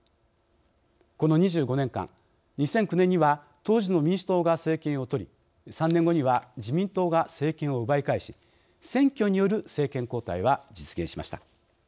この２５年間、２００９年には当時の民主党が政権を取り３年後には自民党が政権を奪い返し選挙による政権交代は実現しました。